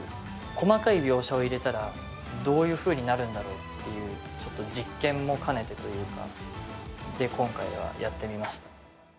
細かい描写を入れたらどういうふうになるんだろうっていうちょっと実験も兼ねてというかで今回はやってみました。